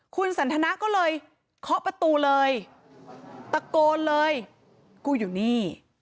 คุณสันทนาก็เลยเคาะประตูเลยตะโกนเลยกูอยู่นี่